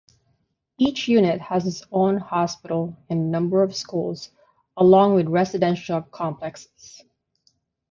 Each unit has its own hospital and number of schools along with residential complexes.